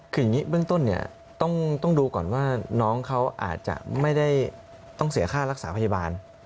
คืออย่างนี้เบื้องต้นเนี่ยต้องดูก่อนว่าน้องเขาอาจจะไม่ได้ต้องเสียค่ารักษาพยาบาล